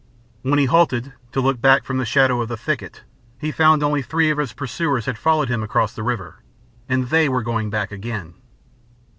When he halted to look back from the shadow of the thicket, he found only three of his pursuers had followed him across the river, and they were going back again.